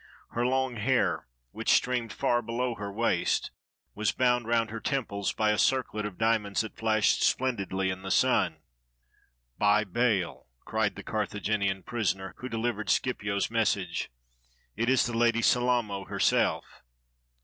Her long hair, which streamed far below her waist, was bound round her temples by a circlet of diamonds that flashed splendidly in the sun. "By Baal," cried the Carthaginian prisoner who dehvered Scipio's message, "it is the Lady Salamo herself."